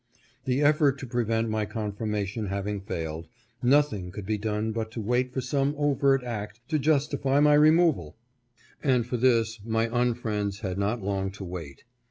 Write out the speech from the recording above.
The effort to prevent my confirmation having failed, nothing could be done but to wait for some overt act to justify my removal ; and for this my imfriends had not long to wait.